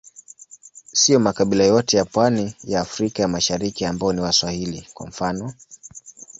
Siyo makabila yote ya pwani ya Afrika ya Mashariki ambao ni Waswahili, kwa mfano.